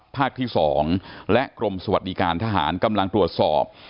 ภาคที่๒และกรมสวัสดิการทหารกำลังตรวจสอบ